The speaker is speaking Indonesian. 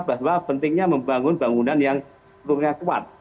bahwa pentingnya membangun bangunan yang strukturnya kuat